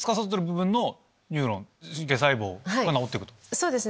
そうですね。